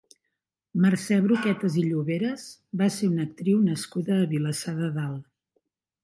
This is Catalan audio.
Mercè Bruquetas i Lloveras va ser una actriu nascuda a Vilassar de Dalt.